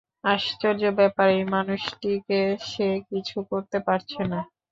আশ্চর্য ব্যাপার, এই মানুষটিকে সে কিছু করতে পারছে না!